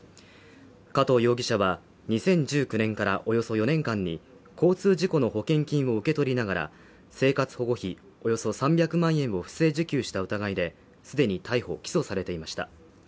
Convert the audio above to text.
加藤容疑者は２０１９年からおよそ４年間に、交通事故の保険金を受け取りながら生活保護費およそ３００万円を不正受給した疑いで既に逮捕・起訴されていました。